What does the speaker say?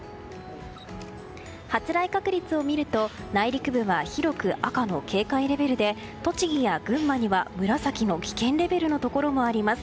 発雷確率を見ると内陸部は広く赤の警戒レベルで栃木や群馬には紫の危険レベルのところもあります。